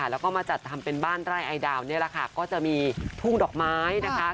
แล้วก็มาจัดทำเป็นบ้านไร่ไอดาวนี่แหละค่ะก็จะมีทุ่งดอกไม้นะคะ